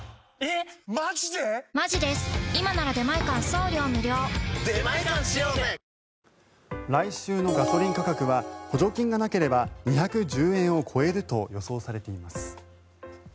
そういうところに気付くことが来週のガソリン価格は補助金がなければ２１０円を超えると予想されています。